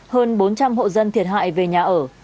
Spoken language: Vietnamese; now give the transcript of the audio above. hơn bốn trăm linh hộ dân thiệt hại về nhà ở